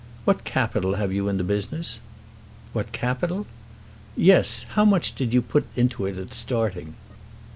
"What capital have you in the business?" "What capital?" "Yes; how much did you put into it at starting?"